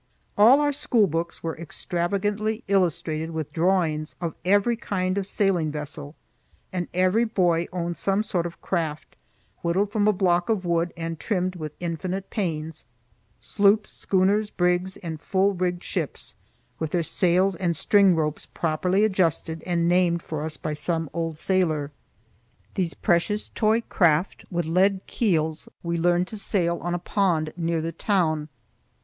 All our school books were extravagantly illustrated with drawings of every kind of sailing vessel, and every boy owned some sort of craft whittled from a block of wood and trimmed with infinite pains,—sloops, schooners, brigs, and full rigged ships, with their sails and string ropes properly adjusted and named for us by some old sailor. These precious toy craft with lead keels we learned to sail on a pond near the town.